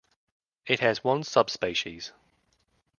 It has one subspecies.